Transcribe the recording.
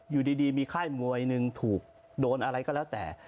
อยู่ดีมีค่ายมวยหนึ่งถูกโดนอะไรก็แล้วแต่